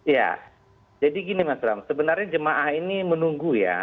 ya jadi gini mas bram sebenarnya jemaah ini menunggu ya